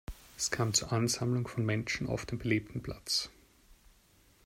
Es kam zur Ansammlung von Menschen auf dem belebten Platz.